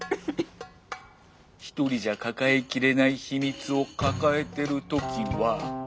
１人じゃ抱えきれない秘密を抱えてる時は。